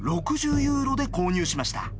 ６０ユーロで購入しました。